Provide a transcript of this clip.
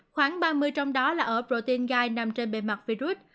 khoảng ba mươi trong đó là ở protein gai nằm trên bề mặt virus